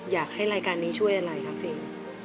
อยากให้รายการนี้ช่วยอะไรครับฟิล์ม